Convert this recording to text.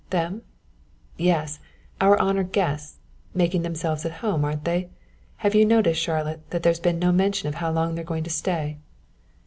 "Them?" "Yes, our honoured guests making themselves at home, aren't they? Have you noticed, Charlotte, that there's been no mention of how long they're going to stay?"